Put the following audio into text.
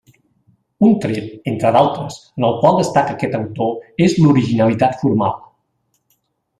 Un tret, entre d'altres, en el qual destaca aquest autor és l'originalitat formal.